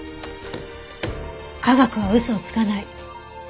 科学は嘘をつかない。